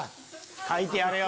書いてやれよ。